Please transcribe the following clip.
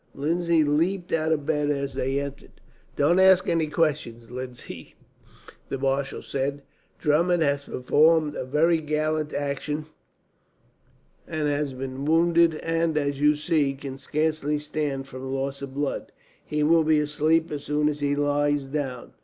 Lindsay leapt out of bed as they entered. "Don't ask any questions, Lindsay," the marshal said. "Drummond has performed a very gallant action, and has been wounded and, as you see, can scarce stand from loss of blood. He will be asleep as soon as he lies down.